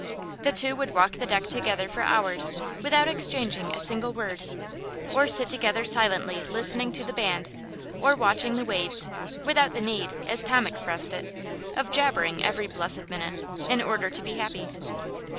The two would walk the deck together for hours without exchanging a single word, or sit together silently listening to the band or watching the waves, without the need, as Tom expressed it, of "jabbering every blessed minute" in order to be happy.